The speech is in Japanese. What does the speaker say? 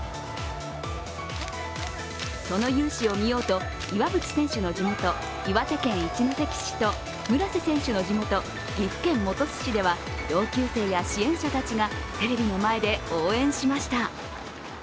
その雄姿を見ようと、岩渕選手の地元、岩手県と村瀬選手の地元、岐阜県本巣市では同級生や支援者たちがテレビの前で応援しました。